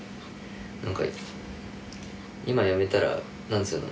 何か今辞めたら何つうの。